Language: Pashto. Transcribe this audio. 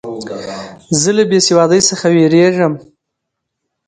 زه له بېسوادۍ څخه بېریږم.